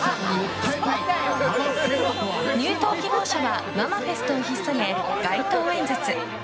入党希望者はママフェストを引っさげ街頭演説。